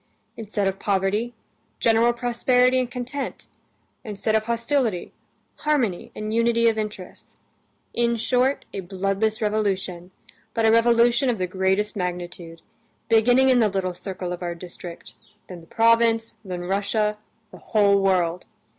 Instead of poverty, general prosperity and content; instead of hostility, harmony and unity of interests. In short, a bloodless revolution, but a revolution of the greatest magnitude, beginning in the little circle of our district, then the province, then Russia, the whole world.